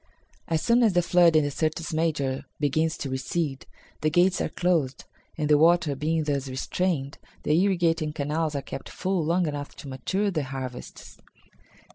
As soon as the flood in the Syrtis Major begins to recede, the gates are closed, and, the water being thus restrained, the irrigating canals are kept full long enough to mature the harvests."